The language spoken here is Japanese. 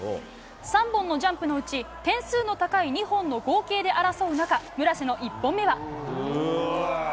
３本のジャンプのうち点数の高い２本の合計で争う中村瀬の１本目は。